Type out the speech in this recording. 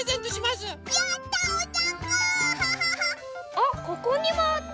あっここにもあった！